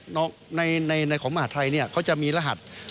ในของมหาธัยเนี่ยเขาจะมีรหัส